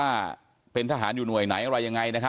มีภาพวงจรปิดอีกมุมหนึ่งของตอนที่เกิดเหตุนะฮะ